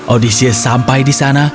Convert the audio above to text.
odysseus sampai di sana